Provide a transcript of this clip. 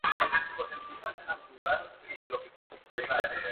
En esta conferencia conoció y trabó amistad con Mijaíl Gorbachov.